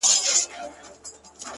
• د يوسفي ښکلا چيرمنې نوره مه راگوره ـ